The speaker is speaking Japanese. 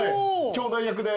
兄弟役で。